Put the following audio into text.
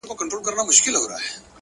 پرمختګ له دوامداره تمرکز تغذیه کېږي